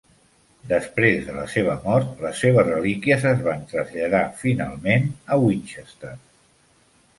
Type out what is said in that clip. Després de la seva mort, les seves relíquies es van traslladar, finalment, a Winchester.